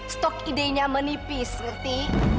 stok idenya menipis ngerti